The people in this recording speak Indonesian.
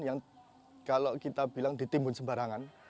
yang kalau kita bilang ditimbun sembarangan